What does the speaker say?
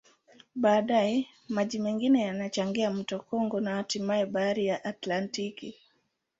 Baadaye, maji mengine yanachangia mto Kongo na hatimaye Bahari ya Atlantiki.